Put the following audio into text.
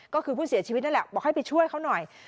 ก็คือผู้เสียชีวิตนั่นแหละบอกให้ไปช่วยเขาหน่อย